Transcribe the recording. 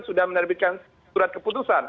sudah menerbitkan surat keputusan